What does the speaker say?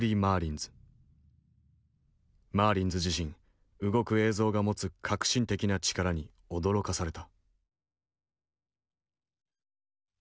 マーリンズ自身動く映像が持つ革新的な力に驚かされた。